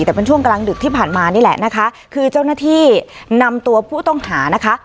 แต่เป็นช่วงกลางดึกที่ผ่านมานี่แหละนะคะคือเจ้าหน้าที่นำตัวผู้ต้องหานะคะ